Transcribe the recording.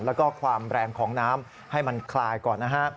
แล้วก็ความแรงของน้ำให้มันคลายก่อนนะฮะ